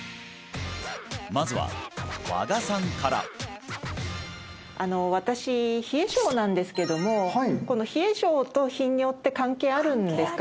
まずは和賀さんから私冷え性なんですけどもこの冷え性と頻尿って関係あるんですか？